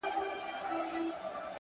زما د تصور لاس در غځيږي گرانـي تــــاته،